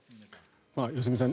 良純さん